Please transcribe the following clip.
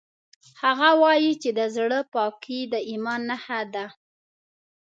هغه وایي چې د زړه پاکۍ د ایمان نښه ده